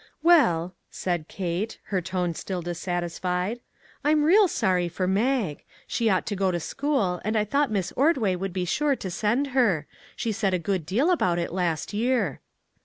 " Well," said Kate, her tone still dissatisfied, " I'm real sorry for Mag; she ought to go to school, and I thought Miss Ordway would be sure to send her ; she said a good deal about it last year."